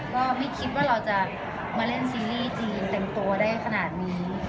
ก็ไม่คิดว่าเราจะมาเล่นซีรีส์จีนเต็มตัวได้ขนาดนี้